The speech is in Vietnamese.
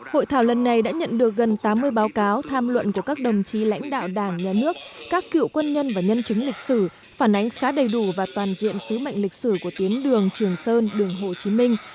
hội thảo lần này đã nhận được gần tám mươi báo cáo tham luận của các đồng chí lãnh đạo đảng nhà nước các cựu quân nhân và nhân chứng lịch sử phản ánh khá đầy đủ và toàn diện sứ mệnh lịch sử của tuyến đường trường sơn đường hồ chí minh